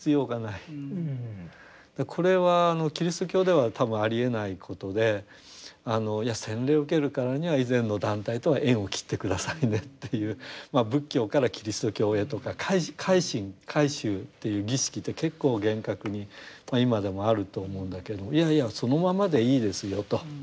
これはキリスト教では多分ありえないことで洗礼を受けるからには以前の団体とは縁を切って下さいねっていう仏教からキリスト教へとか改心改宗っていう儀式って結構厳格にまあ今でもあると思うんだけれどもいやいやそのままでいいですよと。